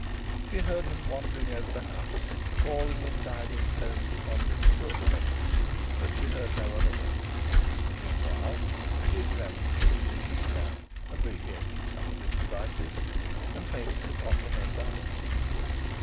She heard him wandering over the house and calling in divers tones upon Mr Wilbraham. But she heard no other voice. Meanwhile she examined the kitchen in detail, appreciating some of its devices and failing to comprehend others.